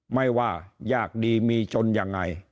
ไม่ว่ายากดีมีจนยังไง